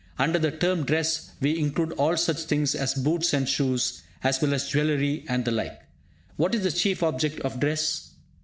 Under the term dress, we include all such things as boots and shoes, as well as jewellery and the like. What is the chief object of dress?